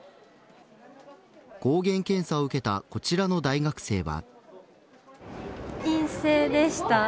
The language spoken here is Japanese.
抗原検査を受けたこちらの大学生は。